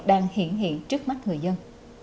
đang hiện hiện trước mắt người dân